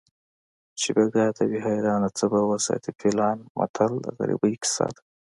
چې بیګا ته وي حیران څه به وساتي فیلان متل د غریبۍ کیسه ده